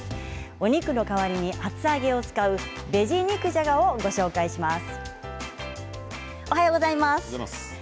お肉の代わりに厚揚げを使うベジ肉じゃがをご紹介します。